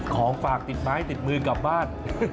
ของฝากติดไม้ติดมือกลับบ้าน